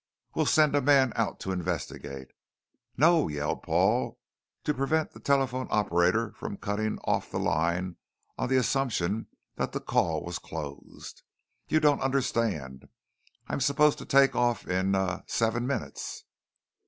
"We'll send a man out to investigate." "No!" yelled Paul to prevent the telephone operator from cutting off the line on the assumption that the call was closed. "You don't understand. I'm supposed to take off in ah seven minutes."